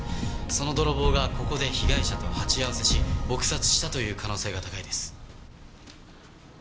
その泥棒がここで被害者と鉢合わせし撲殺したという可能性が高いです。